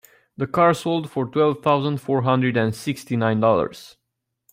The car sold for twelve thousand four hundred and sixty nine dollars.